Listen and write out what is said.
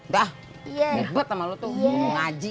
dah ngebet sama lo tuh mau ngaji